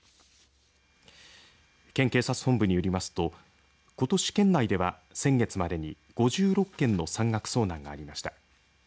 県警察本部によりますとことし県内では、先月までに５６件の山岳遭難がありました。